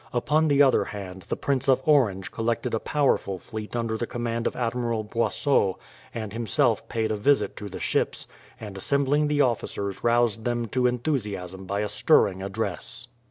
Upon the other hand, the Prince of Orange collected a powerful fleet under the command of Admiral Boisot, and himself paid a visit to the ships, and assembling the officers roused them to enthusiasm by a stirring address.